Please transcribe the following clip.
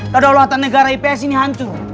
keadaan luatan negara ips ini hancur